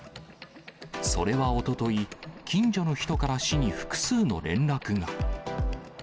それはおととい、近所の人から市に複数の連絡が。